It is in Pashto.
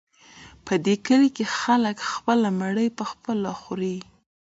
په دې کلي کې خلک خپل مړي پخپله ښخوي.